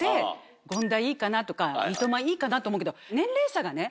権田いいかなとか三笘いいかなと思うけど。